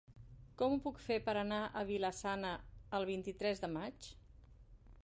Com ho puc fer per anar a Vila-sana el vint-i-tres de maig?